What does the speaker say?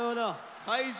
会場